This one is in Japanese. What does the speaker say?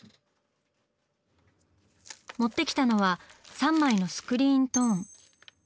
持ってきたのは３枚のスクリーントーン。